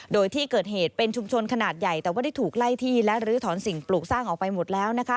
โดยที่เกิดเหตุเป็นชุมชนขนาดใหญ่แต่ว่าได้ถูกไล่ที่และลื้อถอนสิ่งปลูกสร้างออกไปหมดแล้วนะคะ